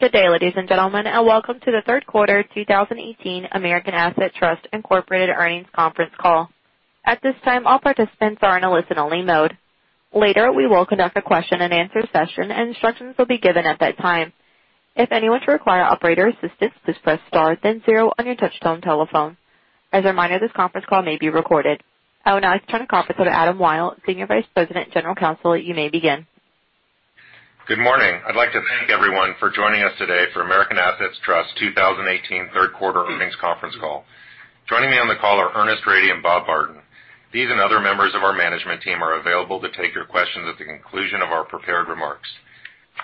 Good day, ladies and gentlemen, and welcome to the third quarter 2018 American Assets Trust Incorporated earnings conference call. At this time, all participants are in a listen-only mode. Later, we will conduct a question and answer session, and instructions will be given at that time. If anyone should require operator assistance, please press star then zero on your touchtone telephone. As a reminder, this conference call may be recorded. I would now like to turn the conference over to Adam Wyll, Senior Vice President, General Counsel. You may begin. Good morning. I'd like to thank everyone for joining us today for American Assets Trust 2018 third quarter earnings conference call. Joining me on the call are Ernest Rady and Robert Barton. These and other members of our management team are available to take your questions at the conclusion of our prepared remarks.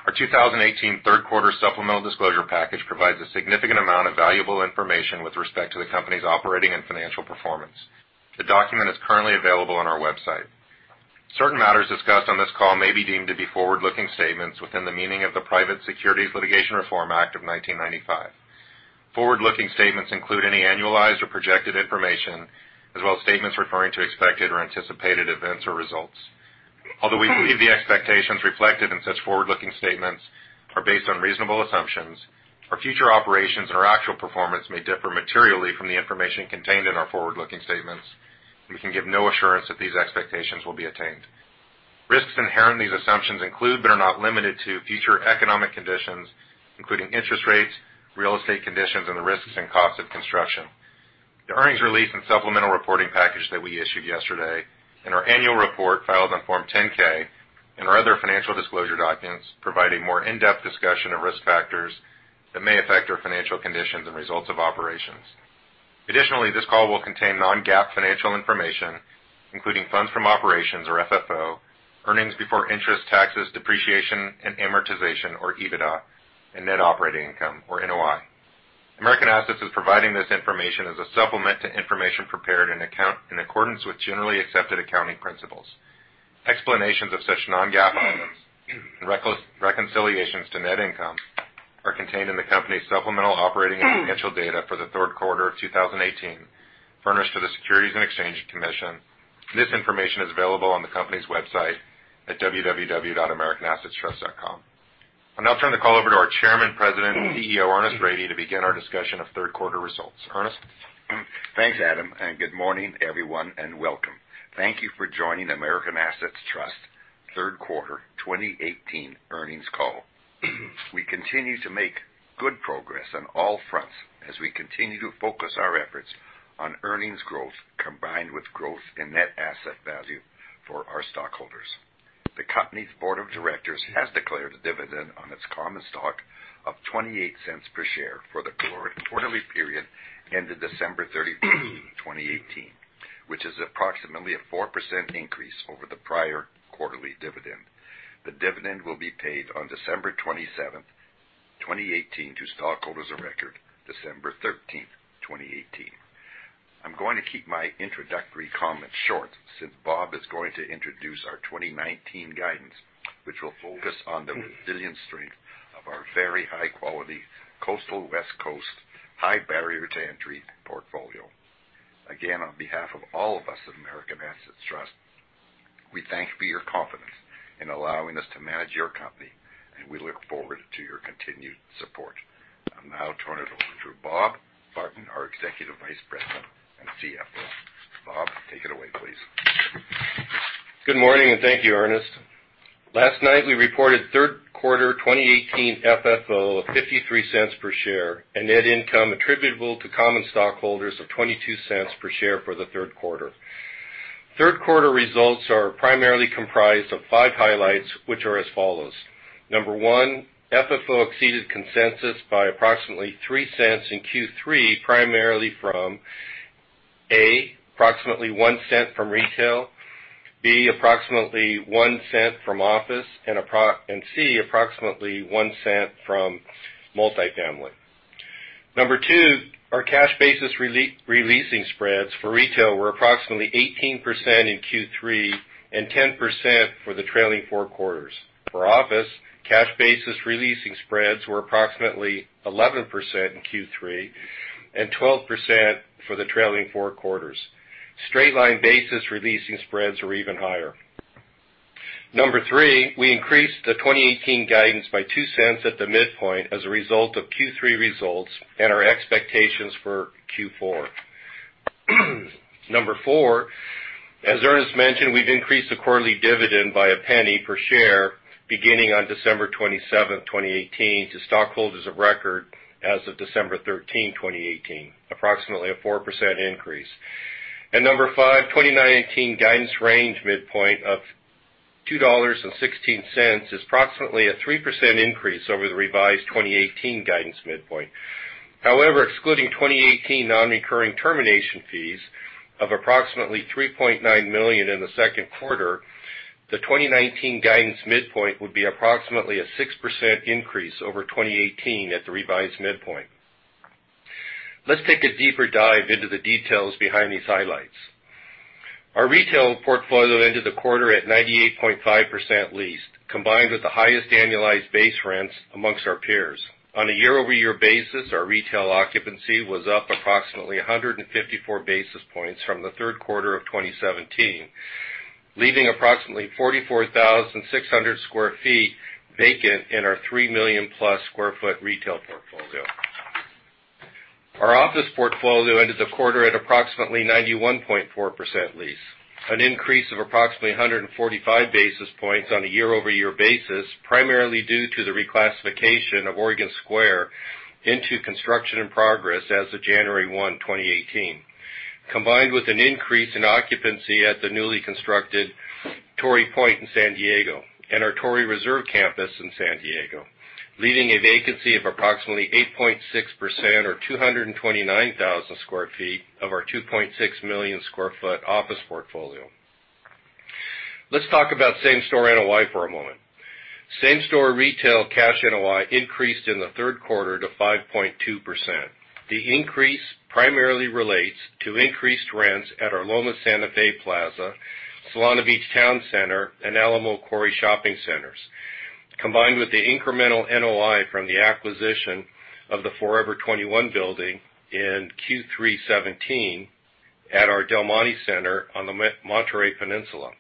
Our 2018 third quarter supplemental disclosure package provides a significant amount of valuable information with respect to the company's operating and financial performance. The document is currently available on our website. Certain matters discussed on this call may be deemed to be forward-looking statements within the meaning of the Private Securities Litigation Reform Act of 1995. Forward-looking statements include any annualized or projected information, as well as statements referring to expected or anticipated events or results. Although we believe the expectations reflected in such forward-looking statements are based on reasonable assumptions, our future operations or actual performance may differ materially from the information contained in our forward-looking statements. We can give no assurance that these expectations will be attained. Risks inherent in these assumptions include, but are not limited to, future economic conditions, including interest rates, real estate conditions, and the risks and cost of construction. The earnings release and supplemental reporting package that we issued yesterday and our annual report filed on Form 10-K and our other financial disclosure documents provide a more in-depth discussion of risk factors that may affect our financial conditions and results of operations. Additionally, this call will contain non-GAAP financial information, including funds from operations, or FFO, earnings before interest, taxes, depreciation, and amortization, or EBITDA, and net operating income, or NOI. American Assets is providing this information as a supplement to information prepared in accordance with generally accepted accounting principles. Explanations of such non-GAAP items and reconciliations to net income are contained in the company's supplemental operating and financial data for the third quarter of 2018, furnished to the Securities and Exchange Commission. This information is available on the company's website at www.americanassetstrust.com. I'll now turn the call over to our Chairman, President, and CEO, Ernest Rady, to begin our discussion of third quarter results. Ernest? Thanks, Adam, good morning, everyone, and welcome. Thank you for joining American Assets Trust third quarter 2018 earnings call. We continue to make good progress on all fronts as we continue to focus our efforts on earnings growth, combined with growth in net asset value for our stockholders. The company's board of directors has declared a dividend on its common stock of $0.28 per share for the quarterly period ended December 30, 2018, which is approximately a 4% increase over the prior quarterly dividend. The dividend will be paid on December 27, 2018, to stockholders of record December 13, 2018. I'm going to keep my introductory comments short, since Bob is going to introduce our 2019 guidance, which will focus on the resilient strength of our very high-quality coastal West Coast high barrier-to-entry portfolio. Again, on behalf of all of us at American Assets Trust, we thank you for your confidence in allowing us to manage your company, we look forward to your continued support. I'll now turn it over to Robert Barton, our Executive Vice President and CFO. Bob, take it away, please. Good morning, thank you, Ernest. Last night, we reported third quarter 2018 FFO of $0.53 per share and net income attributable to common stockholders of $0.22 per share for the third quarter. Third quarter results are primarily comprised of 5 highlights, which are as follows. Number one, FFO exceeded consensus by approximately $0.03 in Q3, primarily from, A, approximately $0.01 from retail, B, approximately $0.01 from office, and C, approximately $0.01 from multifamily. Number two, our cash basis re-leasing spreads for retail were approximately 18% in Q3 and 10% for the trailing four quarters. For office, cash basis re-leasing spreads were approximately 11% in Q3 and 12% for the trailing four quarters. Straight-line basis re-leasing spreads were even higher. Number three, we increased the 2018 guidance by $0.02 at the midpoint as a result of Q3 results and our expectations for Q4. Number four, as Ernest mentioned, we've increased the quarterly dividend by $0.01 per share beginning on December 27, 2018, to stockholders of record as of December 13, 2018, approximately a 4% increase. Number five, 2019 guidance range midpoint of $2.16 is approximately a 3% increase over the revised 2018 guidance midpoint. However, excluding 2018 non-recurring termination fees of approximately $3.9 million in the second quarter, the 2019 guidance midpoint would be approximately a 6% increase over 2018 at the revised midpoint. Let's take a deeper dive into the details behind these highlights. Our retail portfolio ended the quarter at 98.5% leased, combined with the highest annualized base rents amongst our peers. On a year-over-year basis, our retail occupancy was up approximately 154 basis points from the third quarter of 2017. Leaving approximately 44,600 square feet vacant in our 3 million-plus square foot retail portfolio. Our office portfolio ended the quarter at approximately 91.4% leased, an increase of approximately 145 basis points on a year-over-year basis, primarily due to the reclassification of Oregon Square into construction in progress as of January 1, 2018, combined with an increase in occupancy at the newly constructed Torrey Point in San Diego and our Torrey Reserve campus in San Diego, leaving a vacancy of approximately 8.6%, or 229,000 square feet of our 2.6 million square foot office portfolio. Let's talk about same-store NOI for a moment. Same-store retail cash NOI increased in the third quarter to 5.2%. The increase primarily relates to increased rents at our Loma Santa Fe Plaza, Solana Beach Town Center, and Alamo Quarry shopping centers, combined with the incremental NOI from the acquisition of the Forever 21 building in Q3 2017 at our Del Monte Center on the Monterey Peninsula.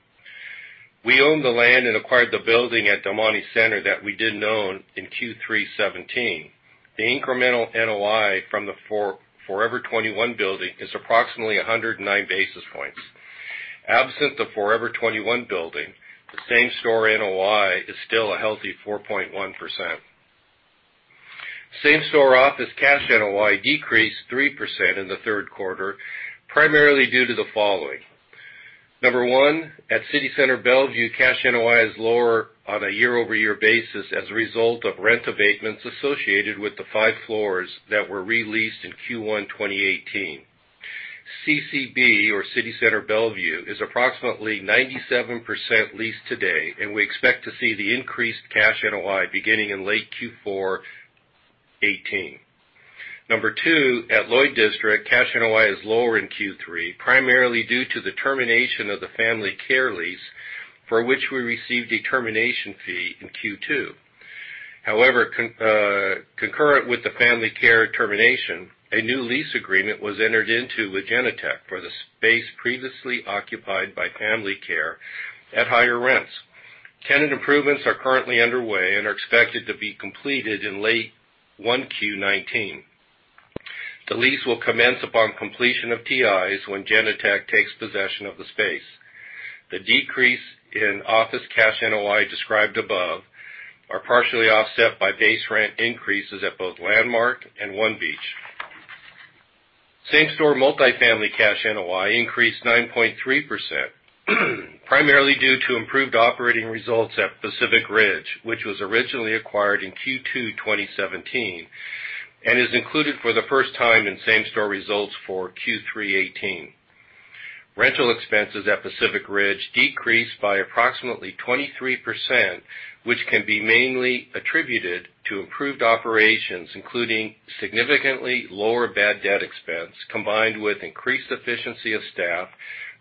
We own the land and acquired the building at Del Monte Center that we didn't own in Q3 2017. The incremental NOI from the Forever 21 building is approximately 109 basis points. Absent the Forever 21 building, the same-store NOI is still a healthy 4.1%. Same-store office cash NOI decreased 3% in the third quarter, primarily due to the following. Number one, at City Center Bellevue, cash NOI is lower on a year-over-year basis as a result of rent abatements associated with the five floors that were re-leased in Q1 2018. CCB, or City Center Bellevue, is approximately 97% leased today, and we expect to see the increased cash NOI beginning in late Q4 2018. Number two, at Lloyd District, cash NOI is lower in Q3, primarily due to the termination of the Family Care lease for which we received a termination fee in Q2. However, concurrent with the Family Care termination, a new lease agreement was entered into with Genentech for the space previously occupied by Family Care at higher rents. Tenant improvements are currently underway and are expected to be completed in late 1Q 2019. The lease will commence upon completion of TIs when Genentech takes possession of the space. The decrease in office cash NOI described above are partially offset by base rent increases at both Landmark and One Beach. Same-store multifamily cash NOI increased 9.3%, primarily due to improved operating results at Pacific Ridge, which was originally acquired in Q2 2017, and is included for the first time in same-store results for Q3 2018. Rental expenses at Pacific Ridge decreased by approximately 23%, which can be mainly attributed to improved operations, including significantly lower bad debt expense, combined with increased efficiency of staff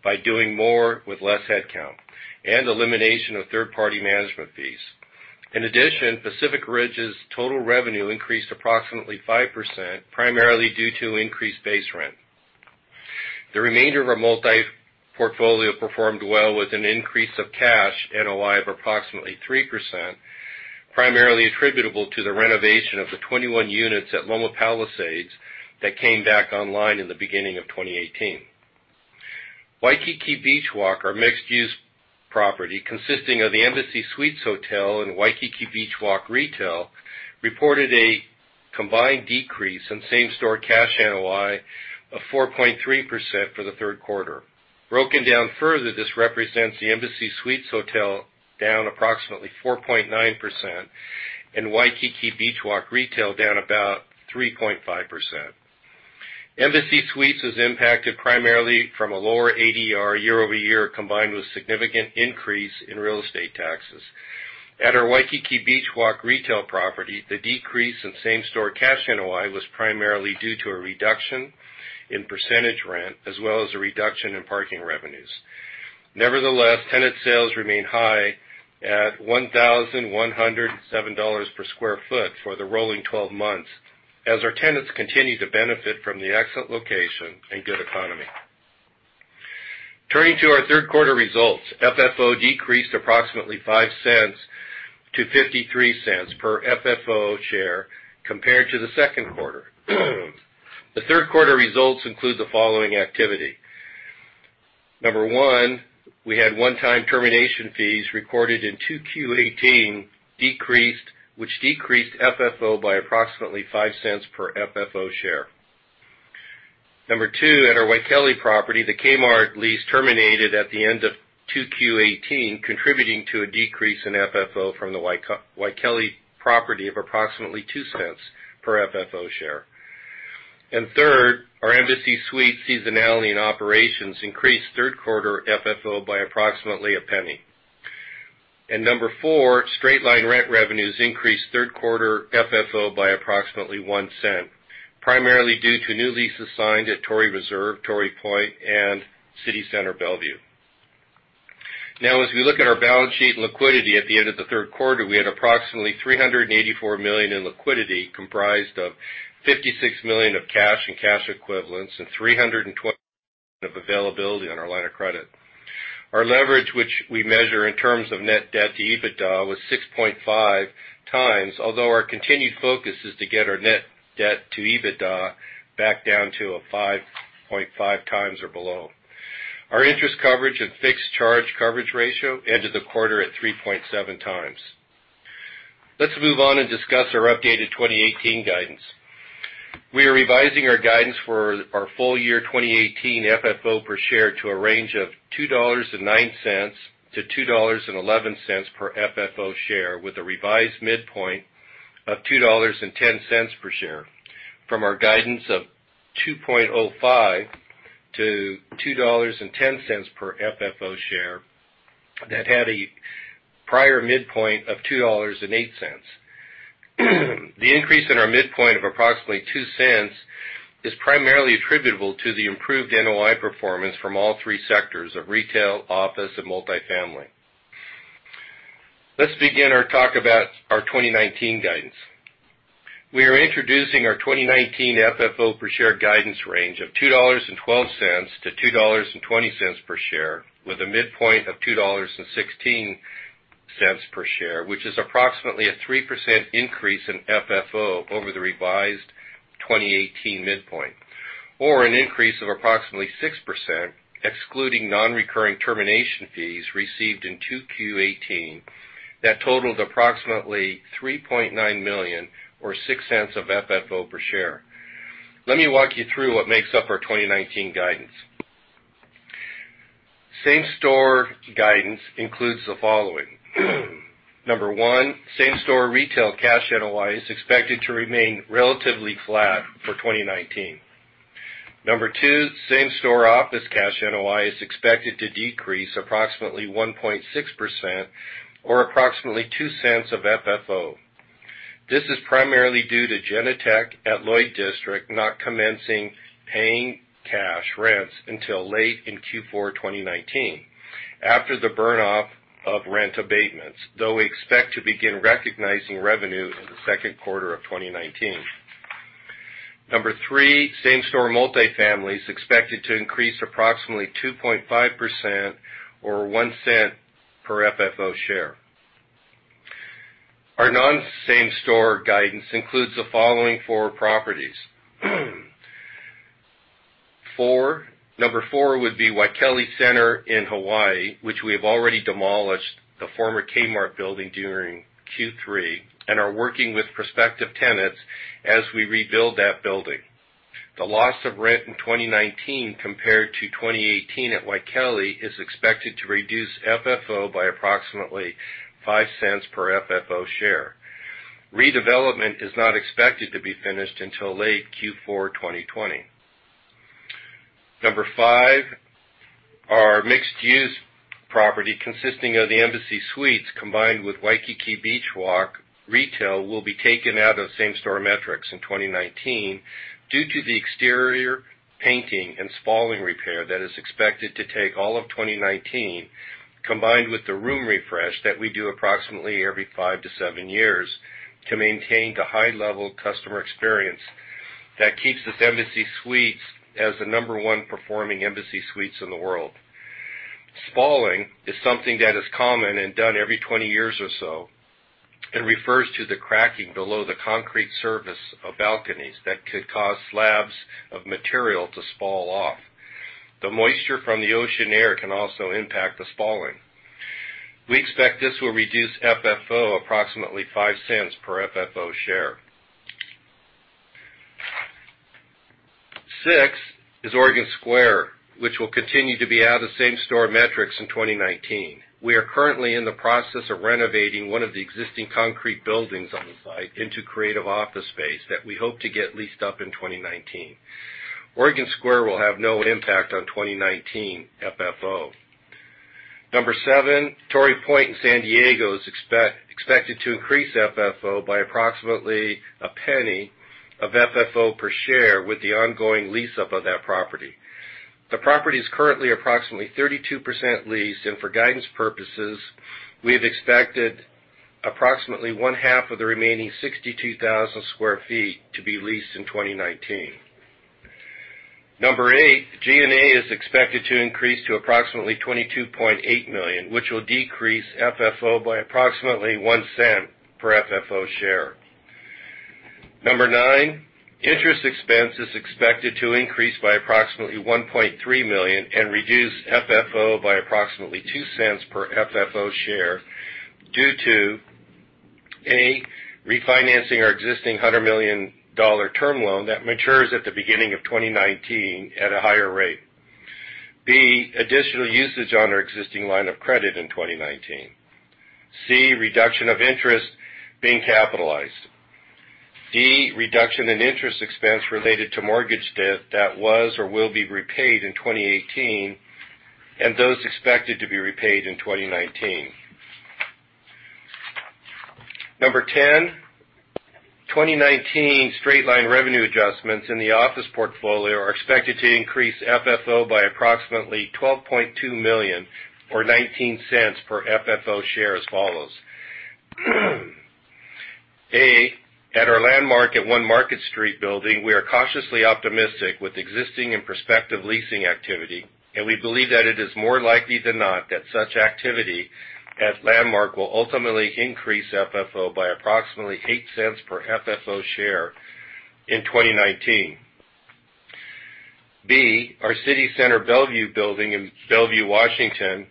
by doing more with less headcount, and elimination of third-party management fees. In addition, Pacific Ridge's total revenue increased approximately 5%, primarily due to increased base rent. The remainder of our multi-portfolio performed well with an increase of cash NOI of approximately 3%, primarily attributable to the renovation of the 21 units at Loma Palisades that came back online in the beginning of 2018. Waikiki Beach Walk, our mixed-use property consisting of the Embassy Suites Hotel and Waikiki Beach Walk Retail, reported a combined decrease in same-store cash NOI of 4.3% for the third quarter. Broken down further, this represents the Embassy Suites Hotel down approximately 4.9%, and Waikiki Beach Walk Retail down about 3.5%. Embassy Suites was impacted primarily from a lower ADR year-over-year, combined with significant increase in real estate taxes. At our Waikiki Beach Walk Retail property, the decrease in same-store cash NOI was primarily due to a reduction in percentage rent, as well as a reduction in parking revenues. Nevertheless, tenant sales remain high at $1,107 per sq ft for the rolling 12 months as our tenants continue to benefit from the excellent location and good economy. Turning to our third quarter results, FFO decreased approximately $0.05 to $0.53 per FFO share compared to the second quarter. The third quarter results include the following activity. Number one, we had one-time termination fees recorded in 2Q 2018, which decreased FFO by approximately $0.05 per FFO share. Number two, at our Waikele property, the Kmart lease terminated at the end of 2Q 2018, contributing to a decrease in FFO from the Waikele property of approximately $0.02 per FFO share. Third, our Embassy Suites seasonality and operations increased third-quarter FFO by approximately $0.01. Number four, straight line rent revenues increased third-quarter FFO by approximately $0.01, primarily due to new leases signed at Torrey Reserve, Torrey Point, and City Center Bellevue. As we look at our balance sheet liquidity at the end of the third quarter, we had approximately $384 million in liquidity, comprised of $56 million of cash and cash equivalents and $320 million of availability on our line of credit. Our leverage, which we measure in terms of net debt to EBITDA, was 6.5 times. Although our continued focus is to get our net debt to EBITDA back down to a 5.5 times or below. Our interest coverage and fixed charge coverage ratio ended the quarter at 3.7 times. Let's move on and discuss our updated 2018 guidance. We are revising our guidance for our full year 2018 FFO per share to a range of $2.09-$2.11 per FFO share, with a revised midpoint of $2.10 per share from our guidance of $2.05-$2.10 per FFO share that had a prior midpoint of $2.08. The increase in our midpoint of approximately $0.02 is primarily attributable to the improved NOI performance from all three sectors of retail, office, and multifamily. Let's begin our talk about our 2019 guidance. We are introducing our 2019 FFO per share guidance range of $2.12-$2.20 per share, with a midpoint of $2.16 per share, which is approximately a 3% increase in FFO over the revised 2018 midpoint. An increase of approximately 6%, excluding non-recurring termination fees received in 2Q 2018, that totaled approximately $3.9 million or $0.06 of FFO per share. Let me walk you through what makes up our 2019 guidance. Same-store guidance includes the following. Number one, same-store retail cash NOI is expected to remain relatively flat for 2019. Number two, same-store office cash NOI is expected to decrease approximately 1.6% or approximately $0.02 of FFO. This is primarily due to Genentech at Lloyd District not commencing paying cash rents until late in Q4 2019. We expect to begin recognizing revenue in the second quarter of 2019. Number three, same-store multifamily is expected to increase approximately 2.5% or $0.01 per FFO share. Our non-same-store guidance includes the following four properties. Number four would be Waikele Center in Hawaii, which we have already demolished the former Kmart building during Q3 and are working with prospective tenants as we rebuild that building. The loss of rent in 2019 compared to 2018 at Waikele is expected to reduce FFO by approximately $0.05 per FFO share. Redevelopment is not expected to be finished until late Q4 2020. Number five, our mixed-use property consisting of the Embassy Suites combined with Waikiki Beach Walk retail will be taken out of same-store metrics in 2019 due to the exterior painting and spalling repair that is expected to take all of 2019, combined with the room refresh that we do approximately every five to seven years to maintain the high-level customer experience that keeps this Embassy Suites as the number one performing Embassy Suites in the world. Spalling is something that is common and done every 20 years or so, and refers to the cracking below the concrete surface of balconies that could cause slabs of material to spall off. The moisture from the ocean air can also impact the spalling. We expect this will reduce FFO approximately $00.05 per FFO share. Six is Oregon Square, which will continue to be out of same-store metrics in 2019. We are currently in the process of renovating one of the existing concrete buildings on the site into creative office space that we hope to get leased up in 2019. Oregon Square will have no impact on 2019 FFO. Number seven, Torrey Point in San Diego is expected to increase FFO by approximately a penny of FFO per share with the ongoing lease-up of that property. The property is currently approximately 32% leased, and for guidance purposes, we have expected approximately one-half of the remaining 62,000 square feet to be leased in 2019. Number eight, G&A is expected to increase to approximately $22.8 million, which will decrease FFO by approximately $0.01 per FFO share. Number nine, interest expense is expected to increase by approximately $1.3 million and reduce FFO by approximately $0.02 per FFO share due to, A, refinancing our existing $100 million term loan that matures at the beginning of 2019 at a higher rate. B, additional usage on our existing line of credit in 2019. C, reduction of interest being capitalized. D, reduction in interest expense related to mortgage debt that was or will be repaid in 2018 and those expected to be repaid in 2019. Number 10, 2019 straight-line revenue adjustments in the office portfolio are expected to increase FFO by approximately $12.2 million or $0.19 per FFO share as follows. A. At our Landmark at One Market Street building, we are cautiously optimistic with existing and prospective leasing activity. We believe that it is more likely than not that such activity at Landmark will ultimately increase FFO by approximately $0.08 per FFO share in 2019. B. Our City Center Bellevue building in Bellevue, Washington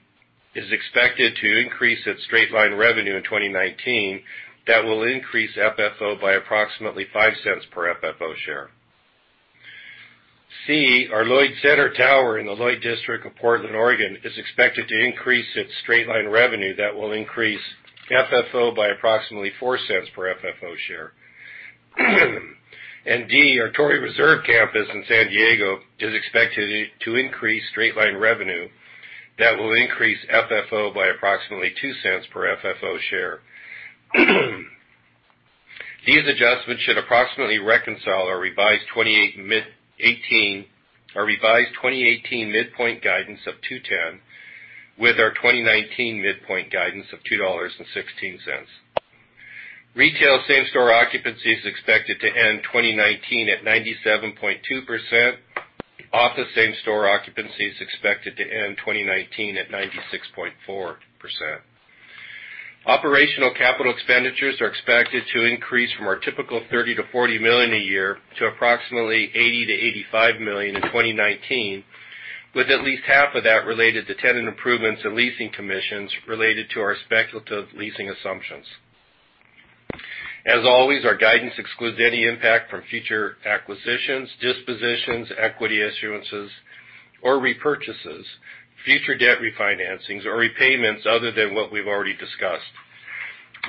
is expected to increase its straight-line revenue in 2019 that will increase FFO by approximately $0.05 per FFO share. C. Our Lloyd Center tower in the Lloyd District of Portland, Oregon is expected to increase its straight-line revenue that will increase FFO by approximately $0.04 per FFO share. D. Our Torrey Reserve campus in San Diego is expected to increase straight-line revenue that will increase FFO by approximately $0.02 per FFO share. These adjustments should approximately reconcile our revised 2018 midpoint guidance of $2.10 with our 2019 midpoint guidance of $2.16. Retail same-store occupancy is expected to end 2019 at 97.2%. Office same-store occupancy is expected to end 2019 at 96.4%. Operational capital expenditures are expected to increase from our typical $30 million-$40 million a year to approximately $80 million-$85 million in 2019, with at least half of that related to Tenant improvements and leasing commissions related to our speculative leasing assumptions. As always, our guidance excludes any impact from future acquisitions, dispositions, equity issuances, or repurchases, future debt refinancings, or repayments other than what we've already discussed.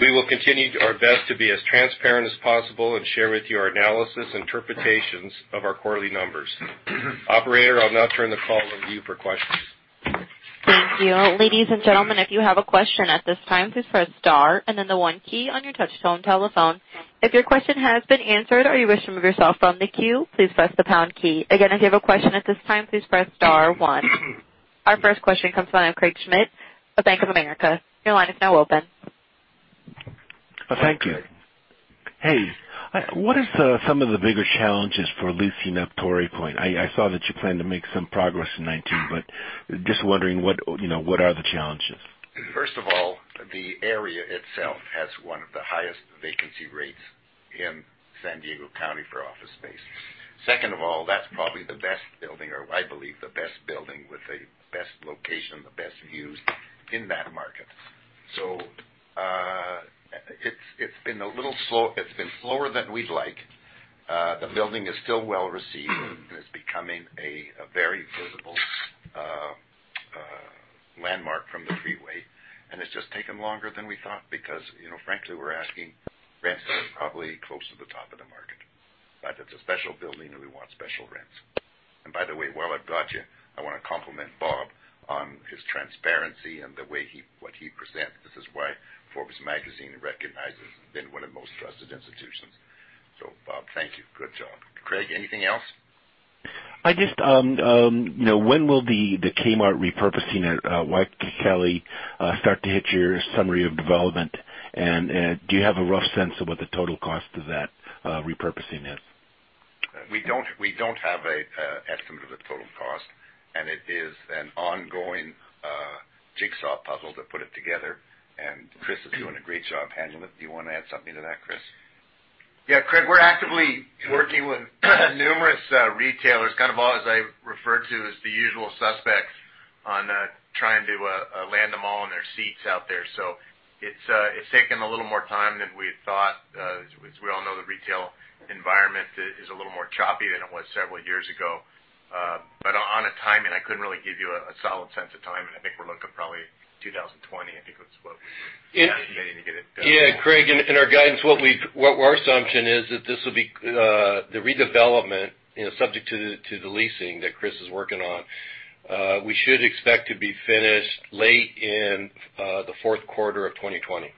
We will continue our best to be as transparent as possible and share with you our analysis, interpretations of our quarterly numbers. Operator, I'll now turn the call over to you for questions. Thank you. Ladies and gentlemen, if you have a question at this time, please press star and then the one key on your touchtone telephone. If your question has been answered or you wish to remove yourself from the queue, please press the pound key. Again, if you have a question at this time, please press star one. Our first question comes from Craig Schmidt of Bank of America. Your line is now open. Thank you. Hey. What are some of the bigger challenges for leasing up Torrey Point? I saw that you plan to make some progress in 2019, but just wondering what are the challenges? First of all, the area itself has one of the highest vacancy rates in San Diego County for office space. Second of all, that's probably the best building, or I believe the best building with the best location, the best views in that market. It's been slower than we'd like. The building is still well-received, and it's becoming a very visible landmark from the freeway, and it's just taken longer than we thought because frankly, we're asking rents that are probably close to the top of the market. It's a special building, and we want special rents. By the way, while I've got you, I want to compliment Bob on his transparency and what he presents. This is why Forbes magazine recognizes them one of the most trusted institutions. Bob, thank you. Good job. Craig, anything else? When will the Kmart repurposing at Waikele start to hit your summary of development, and do you have a rough sense of what the total cost of that repurposing is? We don't have an estimate of the total cost, and it is an ongoing jigsaw puzzle to put it together, and Chris is doing a great job handling it. Do you want to add something to that, Chris? Yeah, Craig, we're actively working with numerous retailers, kind of all as I referred to as the usual suspects on trying to land them all in their seats out there. It's taken a little more time than we had thought. As we all know, the retail environment is a little more choppy than it was several years ago. On a timing, I couldn't really give you a solid sense of timing. I think we're looking probably 2020, I think that's what we were estimating to get it done. Yeah, Craig, in our guidance, what our assumption is that this will be the redevelopment, subject to the leasing that Chris is working on. We should expect to be finished late in the fourth quarter of 2020.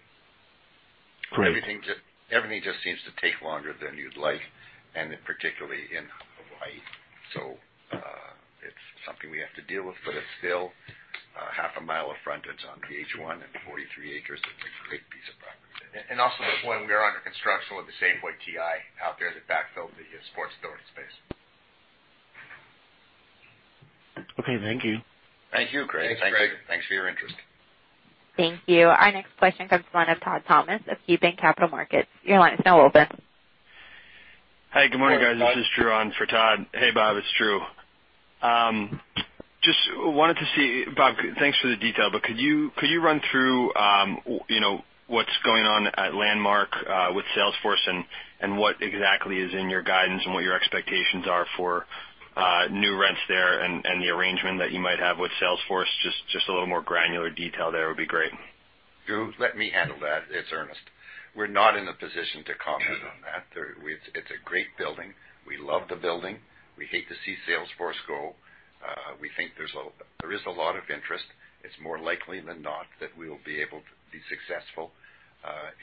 Great. Everything just seems to take longer than you'd like, and particularly in Hawaii. It's something we have to deal with, but it's still a half a mile of frontage on Interstate H-1 and 43 acres. It's a great piece of property. Also, we are under construction with the Safeway TI out there to backfill the Sports Authority space. Okay. Thank you. Thank you, Craig. Thanks, Craig. Thanks for your interest. Thank you. Our next question comes from the line of Todd Thomas of KeyBanc Capital Markets. Your line is now open. Hi, good morning, guys. This is Drew on for Todd. Hey, Bob, it's Drew. Just wanted to see, Bob, thanks for the detail. Could you run through what's going on at Landmark with Salesforce and what exactly is in your guidance and what your expectations are for new rents there and the arrangement that you might have with Salesforce? Just a little more granular detail there would be great. Drew, let me handle that. It's Ernest. We're not in a position to comment on that. It's a great building. We love the building. We hate to see Salesforce go. We think there is a lot of interest. It's more likely than not that we will be able to be successful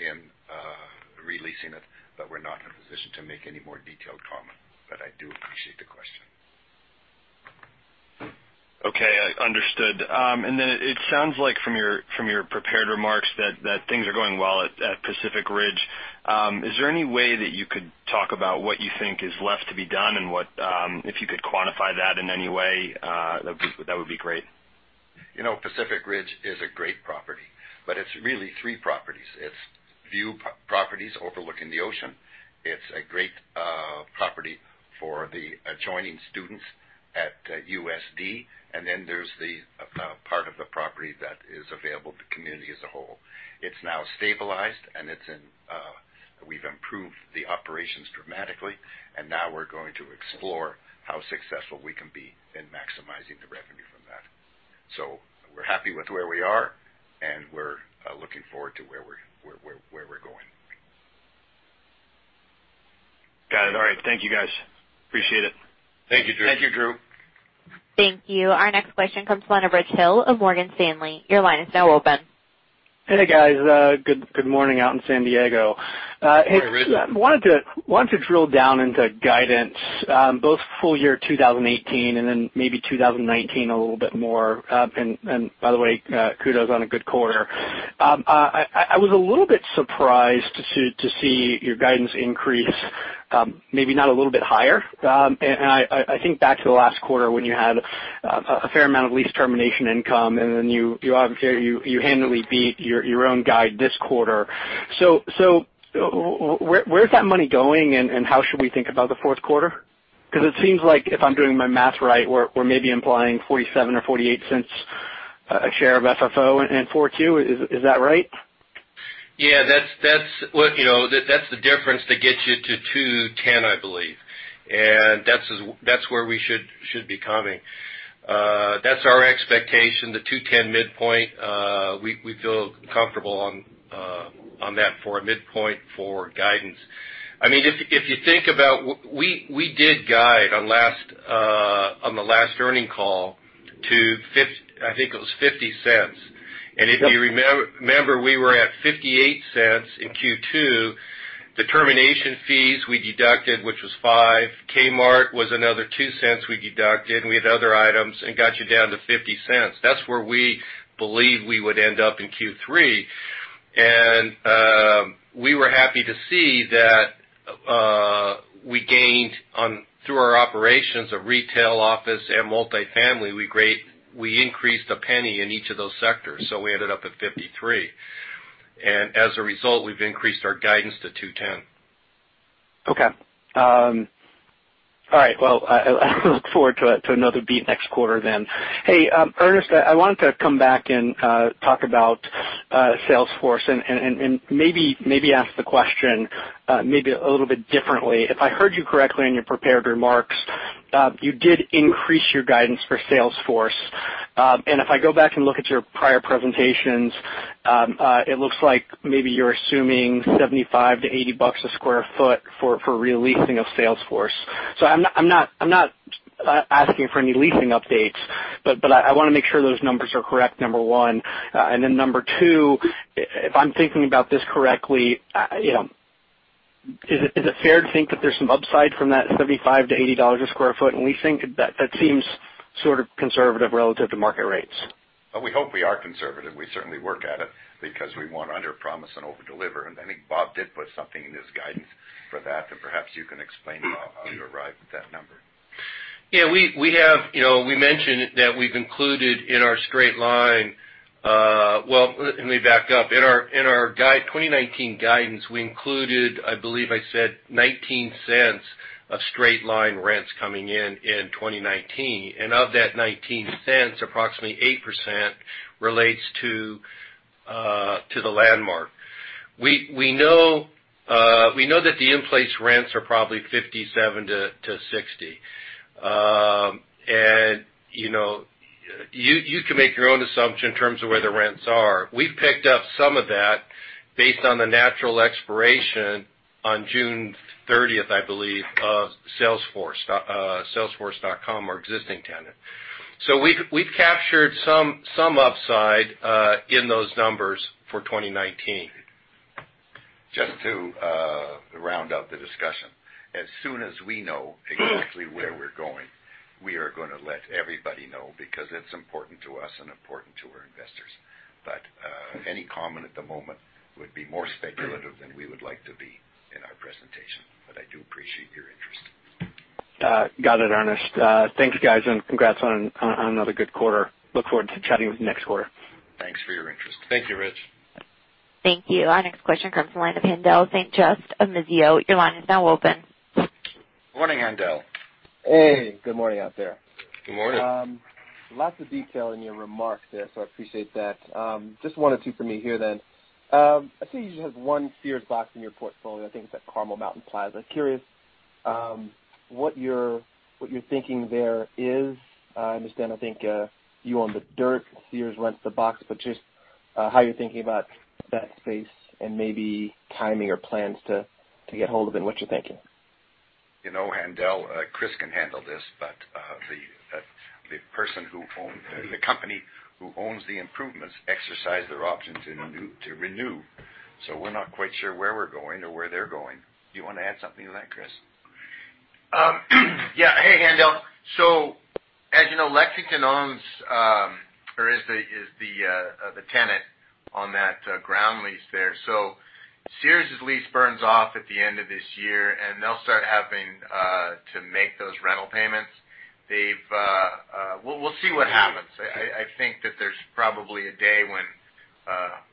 in re-leasing it. We're not in a position to make any more detailed comment. I do appreciate the question. Okay, understood. It sounds like from your prepared remarks that things are going well at Pacific Ridge. Is there any way that you could talk about what you think is left to be done and if you could quantify that in any way, that would be great. Pacific Ridge is a great property. It's really three properties. It's view properties overlooking the ocean. It's a great property for the adjoining students at USD. There's the part of the property that is available to community as a whole. It's now stabilized and we've improved the operations dramatically. Now we're going to explore how successful we can be in maximizing the revenue from that. We're happy with where we are, and we're looking forward to where we're going. Got it. All right. Thank you guys. Appreciate it. Thank you, Drew. Thank you, Drew. Thank you. Our next question comes from the line of Richard Hill of Morgan Stanley. Your line is now open. Hey, guys. Good morning out in San Diego. Morning, Rich. Wanted to drill down into guidance, both full year 2018, and then maybe 2019 a little bit more. By the way, kudos on a good quarter. I was a little bit surprised to see your guidance increase, maybe not a little bit higher. I think back to the last quarter when you had a fair amount of lease termination income, then you handily beat your own guide this quarter. Where's that money going and how should we think about the fourth quarter? It seems like if I'm doing my math right, we're maybe implying $0.47 or $0.48 a share of FFO in 4Q. Is that right? Yeah. That's the difference that gets you to 210, I believe. That's where we should be coming. That's our expectation, the 210 midpoint. We feel comfortable on that for a midpoint for guidance. If you think about, we did guide on the last earning call to, I think it was $0.50. Yep. If you remember, we were at $0.58 in Q2. The termination fees we deducted, which was $0.05, Kmart was another $0.02 we deducted, and we had other items, got you down to $0.50. That's where we believed we would end up in Q3. We were happy to see that we gained through our operations of retail, office, and multifamily. We increased $0.01 in each of those sectors, so we ended up at $0.53. As a result, we've increased our guidance to 210. Okay. All right, well, I look forward to another beat next quarter then. Hey, Ernest, I wanted to come back and talk about Salesforce and maybe ask the question maybe a little bit differently. If I heard you correctly in your prepared remarks, you did increase your guidance for Salesforce. If I go back and look at your prior presentations, it looks like maybe you're assuming $75 to $80 a square foot for re-leasing of Salesforce. I'm not asking for any leasing updates, but I want to make sure those numbers are correct, number one. Then number two, if I'm thinking about this correctly, is it fair to think that there's some upside from that $75 to $80 a square foot? We think that seems sort of conservative relative to market rates. We hope we are conservative. We certainly work at it because we want to underpromise and overdeliver. I think Bob did put something in his guidance for that, perhaps you can explain how you arrived at that number. Well, let me back up. In our 2019 guidance, we included, I believe I said $0.19 of straight line rents coming in in 2019. Of that $0.19, approximately 8% relates to the Landmark. We know that the in-place rents are probably $57 to $60. You can make your own assumption in terms of where the rents are. We've picked up some of that based on the natural expiration on June 30th, I believe, of Salesforce, salesforce.com, our existing tenant. We've captured some upside in those numbers for 2019. Just to round out the discussion. As soon as we know exactly where we're going, we are going to let everybody know because it's important to us and important to our investors. Any comment at the moment would be more speculative than we would like to be in our presentation. I do appreciate your interest. Got it, Ernest. Thanks, guys, and congrats on another good quarter. Look forward to chatting with you next quarter. Thanks for your interest. Thank you, Rich. Thank you. Our next question comes from the line of Haendel St. Juste of Mizuho. Your line is now open. Morning, Haendel. Hey, good morning out there. Good morning. Lots of detail in your remarks there, I appreciate that. Just one or two for me here then. I see you just have one Sears box in your portfolio. I think it's at Carmel Mountain Plaza. Curious what your thinking there is. I understand, I think, you own the dirt, Sears rents the box, but just how you're thinking about that space and maybe timing or plans to get hold of it and what you're thinking. Haendel, Chris can handle this, but the person who owns The company who owns the improvements exercise their option to renew. We're not quite sure where we're going or where they're going. Do you want to add something to that, Chris? Yeah. Hey, Haendel. As you know, Lexington owns, or is the tenant on that ground lease there. Sears' lease burns off at the end of this year, and they'll start having to make those rental payments. We'll see what happens. I think that there's probably a day when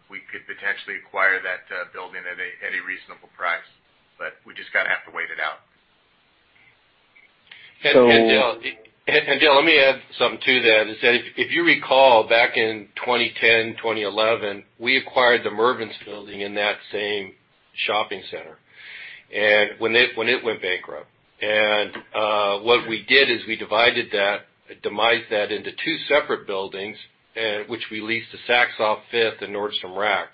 we could potentially acquire that building at a reasonable price, but we just got to have to wait it out. So- Haendel, let me add something to that. If you recall back in 2010, 2011, we acquired the Mervyn's building in that same shopping center, and when it went bankrupt. What we did is we divided that, demise that into two separate buildings, which we leased to Saks Off 5th and Nordstrom Rack.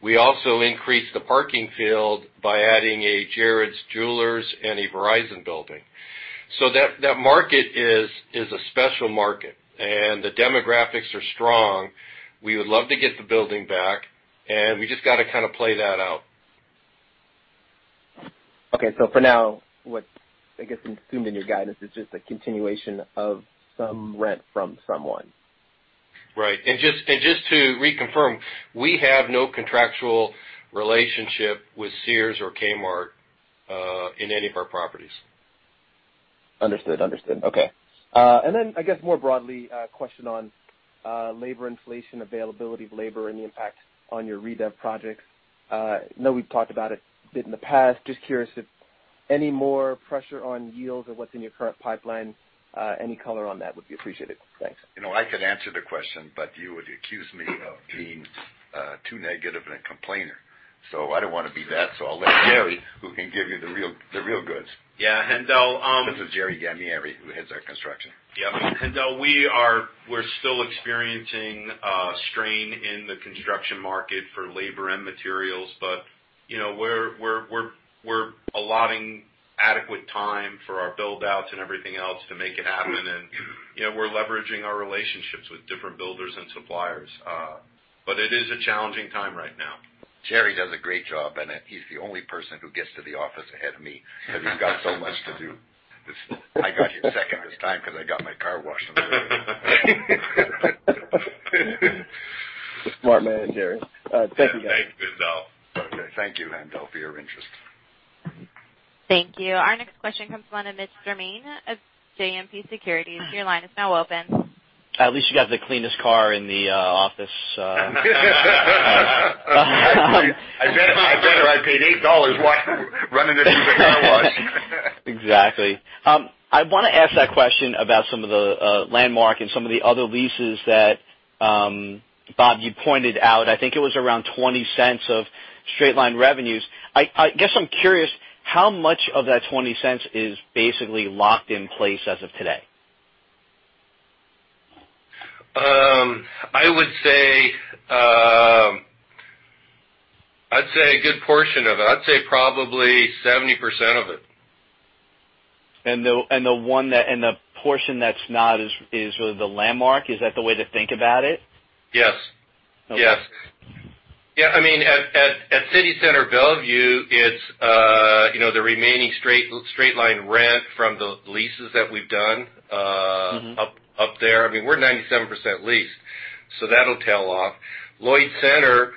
We also increased the parking field by adding a Jared's Jewelers and a Verizon building. That market is a special market, and the demographics are strong. We would love to get the building back, and we just got to kind of play that out. Okay. For now, what I guess I'm assuming your guidance is just a continuation of some rent from someone. Right. Just to reconfirm, we have no contractual relationship with Sears or Kmart, in any of our properties. Understood. Okay. I guess, more broadly, question on labor inflation, availability of labor, and the impact on your redev projects. I know we've talked about it a bit in the past. Just curious if any more pressure on yields of what's in your current pipeline. Any color on that would be appreciated. Thanks. You know, I could answer the question, but you would accuse me of being too negative and a complainer, so I don't want to be that. I'll let Jerry, who can give you the real goods. Yeah. Haendel. This is Jerry Gammieri, who heads our construction. Yep. Haendel, we're still experiencing a strain in the construction market for labor and materials, but we're allotting adequate time for our build-outs and everything else to make it happen, and we're leveraging our relationships with different builders and suppliers. It is a challenging time right now. Jerry does a great job, he's the only person who gets to the office ahead of me because he's got so much to do. I got here second this time because I got my car washed on the way in. Smart man, Jerry. Thank you, guys. Okay. Thank you, Haendel, for your interest. Thank you. Our next question comes from Mitch Germain of JMP Securities. Your line is now open. At least you got the cleanest car in the office. I better. I paid $8 washing running it through the car wash. Exactly. I want to ask that question about some of the Landmark and some of the other leases that, Bob, you pointed out. I think it was around $0.20 of straight-line revenues. I guess, I'm curious, how much of that $0.20 is basically locked in place as of today? I would say a good portion of it. I'd say probably 70% of it. The portion that's not is really the Landmark? Is that the way to think about it? Yes. Okay. Yes. At City Center Bellevue, it's the remaining straight-line rent from the leases that we've done. Up there. We're 97% leased, so that'll tail off. Lloyd Center,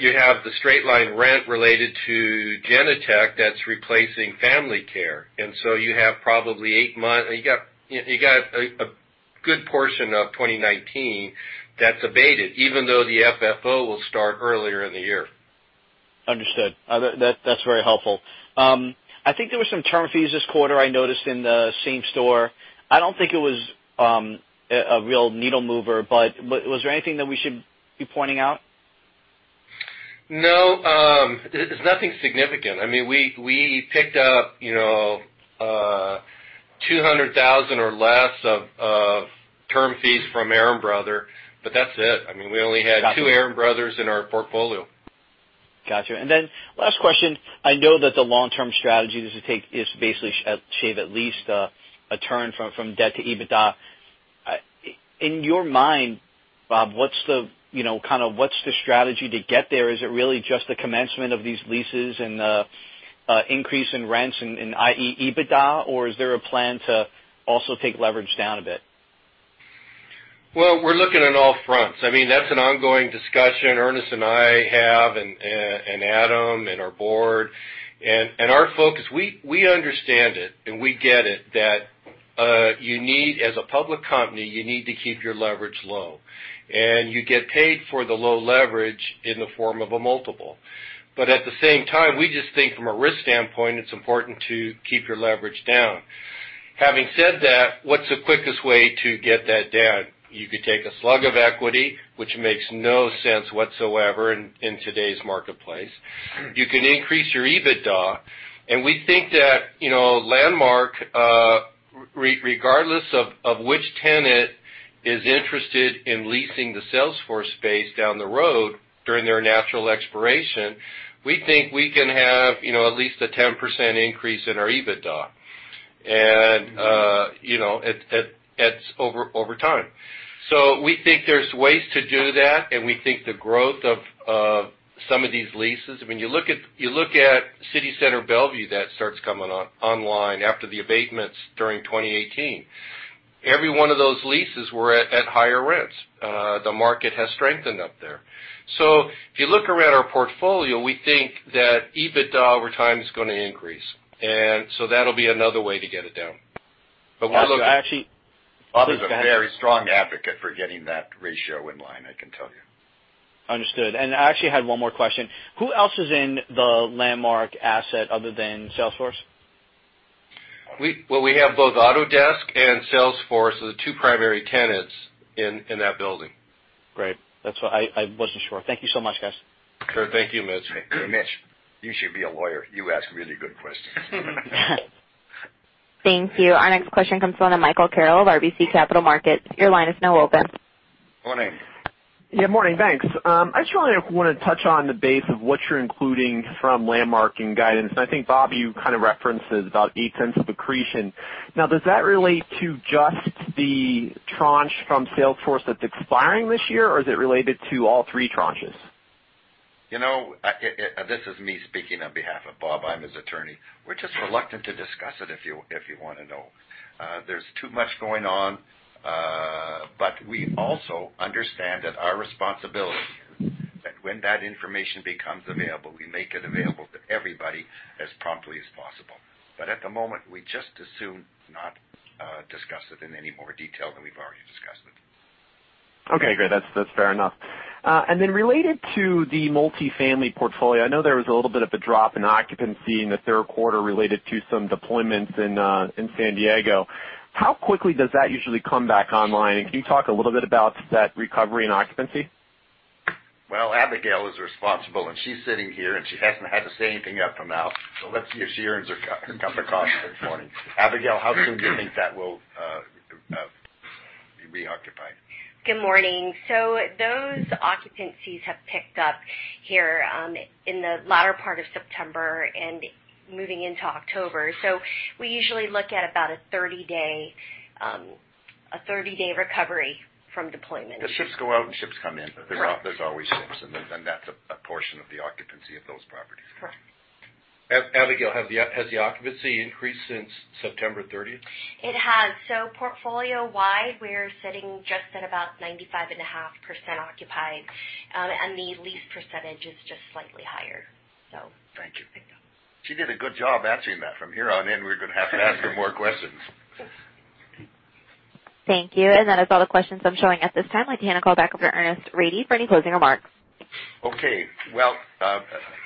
you have the straight-line rent related to Genentech that's replacing Family Care. You got a good portion of 2019 that's abated, even though the FFO will start earlier in the year. Understood. That's very helpful. I think there were some term fees this quarter, I noticed in the same store. I don't think it was a real needle mover, but was there anything that we should be pointing out? No. There's nothing significant. We picked up $200,000 or less of term fees from Aaron Brothers. That's it. We only had- Got it two Aaron Brothers in our portfolio. Got you. Last question. I know that the long-term strategy is to basically shave at least a turn from debt to EBITDA. In your mind, Bob, what's the strategy to get there? Is it really just the commencement of these leases and the increase in rents and i.e. EBITDA, or is there a plan to also take leverage down a bit? We're looking at all fronts. That's an ongoing discussion Ernest and I have, Adam, and our board. Our focus, we understand it, and we get it, that as a public company, you need to keep your leverage low. You get paid for the low leverage in the form of a multiple. At the same time, we just think from a risk standpoint, it's important to keep your leverage down. Having said that, what's the quickest way to get that down? You could take a slug of equity, which makes no sense whatsoever in today's marketplace. You can increase your EBITDA. We think that Landmark, regardless of which tenant is interested in leasing the Salesforce space down the road during their natural expiration, we think we can have at least a 10% increase in our EBITDA. It's over time. We think there's ways to do that, and we think the growth of some of these leases I mean, you look at City Center Bellevue that starts coming online after the abatements during 2018. Every one of those leases were at higher rents. The market has strengthened up there. If you look around our portfolio, we think that EBITDA over time is going to increase. That'll be another way to get it down. Actually- Bob is a very strong advocate for getting that ratio in line, I can tell you. Understood. I actually had one more question. Who else is in the Landmark asset other than Salesforce? Well, we have both Autodesk and Salesforce are the two primary tenants in that building. Great. I wasn't sure. Thank you so much, guys. Sure. Thank you, Mitch. Mitch, you should be a lawyer. You ask really good questions. Thank you. Our next question comes from Michael Carroll of RBC Capital Markets. Your line is now open. Morning. Yeah, morning. Thanks. I just really want to touch on the base of what you're including from Landmark in guidance, and I think, Bob, you kind of referenced this, about $0.08 of accretion. Does that relate to just the tranche from Salesforce that's expiring this year, or is it related to all three tranches? This is me speaking on behalf of Bob. I'm his attorney. We're just reluctant to discuss it, if you want to know. There's too much going on. We also understand that our responsibility is that when that information becomes available, we make it available to everybody as promptly as possible. At the moment, we'd just as soon not discuss it in any more detail than we've already discussed it. Okay, great. That's fair enough. Related to the multifamily portfolio, I know there was a little bit of a drop in occupancy in the third quarter related to some deployments in San Diego. How quickly does that usually come back online, and can you talk a little bit about that recovery in occupancy? Well, Abigail is responsible, and she's sitting here, and she hasn't had to say anything yet, now let's see if she earns her cup of coffee this morning. Abigail, how soon do you think that will be reoccupied? Good morning. Those occupancies have picked up here in the latter part of September and moving into October. We usually look at about a 30-day recovery from deployment. The ships go out, and ships come in. Correct. There's always ships, and that's a portion of the occupancy of those properties. Correct. Abigail, has the occupancy increased since September 30th? It has. Portfolio-wide, we're sitting just at about 95.5% occupied, and the lease percentage is just slightly higher. Thank you. She did a good job answering that. From here on in, we're going to have to ask her more questions. Thank you. That is all the questions I'm showing at this time. I'd like to hand the call back over to Ernest Rady for any closing remarks. Okay. Well,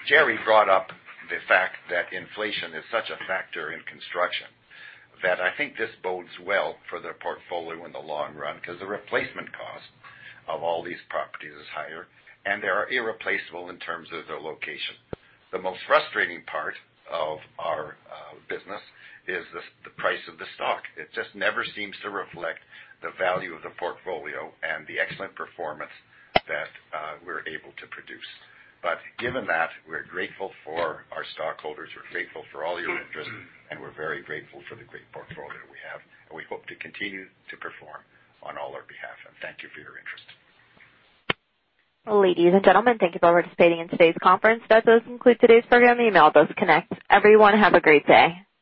Jerry brought up the fact that inflation is such a factor in construction that I think this bodes well for the portfolio in the long run because the replacement cost of all these properties is higher, and they are irreplaceable in terms of their location. The most frustrating part of our business is the price of the stock. It just never seems to reflect the value of the portfolio and the excellent performance that we're able to produce. Given that, we're grateful for our stockholders, we're grateful for all your interest, and we're very grateful for the great portfolio we have, and we hope to continue to perform on all our behalf. Thank you for your interest. Ladies and gentlemen, thank you for participating in today's conference. That does conclude today's program. Email those connect. Everyone, have a great day.